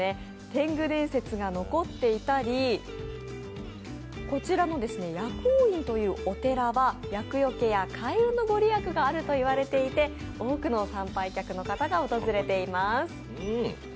てんぐ伝説が残っていたり、こちらの薬王院というお寺は厄よけや開運のご利益があると言われていて、多くの参拝客の方が訪れています。